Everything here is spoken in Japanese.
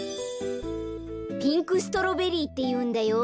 ピンクストロベリーっていうんだよ。